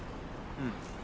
うん。